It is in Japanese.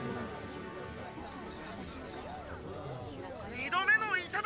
「２度目の頂！！